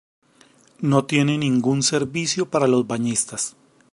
No tiene ningún servicio para los bañistas.